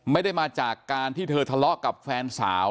ไม่ได้มาจากการที่เธอทะเลาะกับแฟนสาว